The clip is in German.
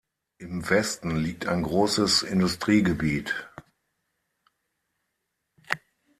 Im Westen liegt ein großes Industriegebiet.